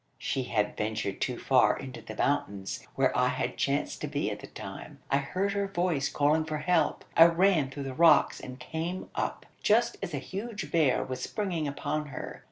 "She had ventured too far into the mountains, where I had chanced to be at the time. I heard her voice calling for help. I ran through the rocks, and came up, just as a huge bear was springing upon her.